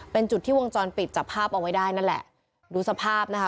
เป็นจุดที่วงจรปิดจับภาพเอาไว้ได้นั่นแหละดูสภาพนะคะ